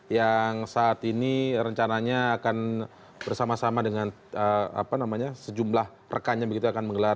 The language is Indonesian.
yang saat ini rencananya akan bersama sama dengan apa namanya sejumlah rekan yang begitu akan menggelar